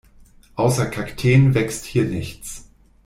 Außer Kakteen wächst hier nichts.